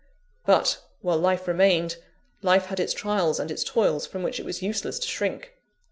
But, while life remained, life had its trials and its toils, from which it was useless to shrink.